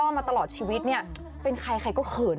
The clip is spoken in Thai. ลาทุ่มดอกหลุนสวัยมาอาจไส้ใช้ข้อพระมุม